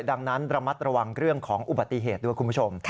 ดังนั้นระมัดระวังเรื่องของอุบัติเหตุด้วยคุณผู้ชม